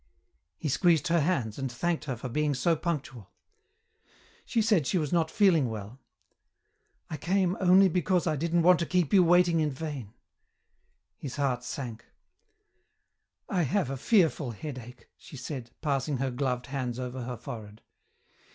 He squeezed her hands and thanked her for being so punctual. She said she was not feeling well. "I came only because I didn't want to keep you waiting in vain." His heart sank. "I have a fearful headache," she said, passing her gloved hands over her forehead.